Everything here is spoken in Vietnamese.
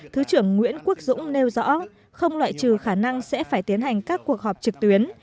thứ trưởng nguyễn quốc dũng nêu rõ không loại trừ khả năng sẽ phải tiến hành các cuộc họp trực tuyến